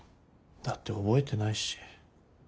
だって覚えてないし。